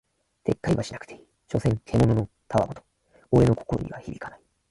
撤回はしなくていい、所詮獣の戯言俺の心には響かない。